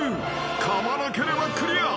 かまなければクリア］